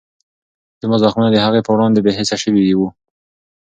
زما زخمونه د هغې په وړاندې بېحسه شوي وو.